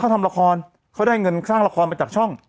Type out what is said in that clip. เขาทำละครเขาได้เงินสร้างละครมาจากช่อง